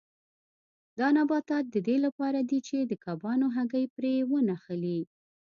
دا نباتات د دې لپاره دي چې د کبانو هګۍ پرې ونښلي.